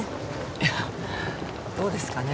いやどうですかね？